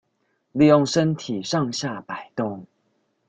利用身體上下矲動